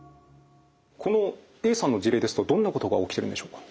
このＡさんの事例ですとどんなことが起きてるんでしょうか？